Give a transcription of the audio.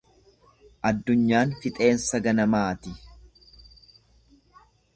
Addunyaan fixeensa ganamaati.